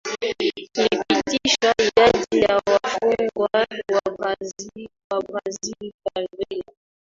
ilipitishwa Idadi ya wafungwa wa BrazilFavela